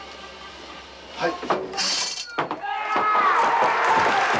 はい。